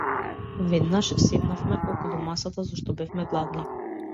Веднаш седнавме околу масата зашто бевме гладни.